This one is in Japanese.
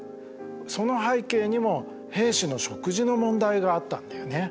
その背景にも兵士の食事の問題があったんだよね。